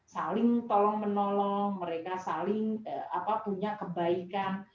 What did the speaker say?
saling tolong menolong mereka saling punya kebaikan